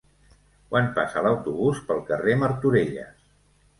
Quan passa l'autobús pel carrer Martorelles?